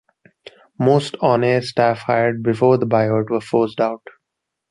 Most on-air staff hired before the buyout were forced out.